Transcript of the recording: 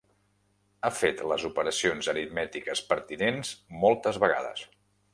Ha fet les operacions aritmètiques pertinents moltes vegades.